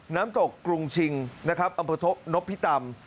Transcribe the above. น้ำตกกรุงชิงอำเภอทกนพิตำ